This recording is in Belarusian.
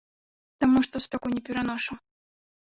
Таму што спёку не пераношу.